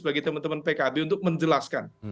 bagi teman teman pkb untuk menjelaskan